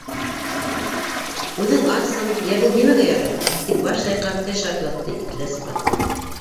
Үҙең асһың, йә, был нимәгә ярай?! - тип баш сайҡап тел шартлатты итләс ҡатын.